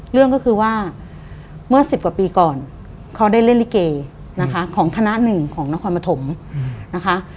เรื่องก็คือว่าเมื่อ๑๐กว่าปีก่อนเขาได้เล่นลิเกนะคะของคณะหนึ่งของนครปฐมนะคะ